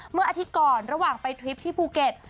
เมื่ออาทิตย์ก่อนระหว่างไปทริปที่ภูเก็ต